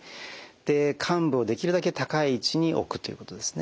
で患部をできるだけ高い位置に置くということですね。